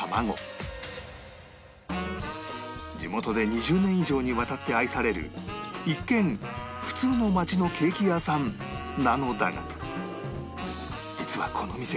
地元で２０年以上にわたって愛される一見普通の町のケーキ屋さんなのだが実はこの店